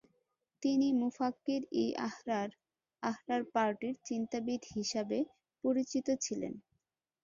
তিনি মুফাক্কির-ই-আহরর "আহরার পার্টির চিন্তাবিদ" হিসাবে পরিচিত ছিলেন।